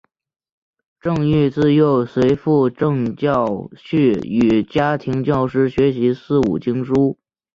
郑禹自幼随父郑孝胥与家庭教师学习四书五经。